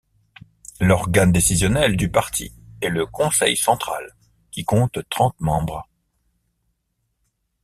L'organe décisionnel du parti est le conseil central, qui compte trente membres.